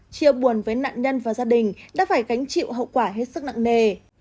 chia buồn với nạn nhân và gia đình đã phải gánh chịu hậu quả hết sức nặng nề